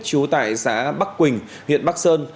chú tại xã bắc quỳnh huyện bắc sơn